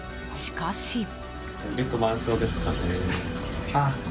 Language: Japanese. しかし。